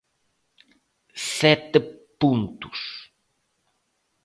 Sete puntos.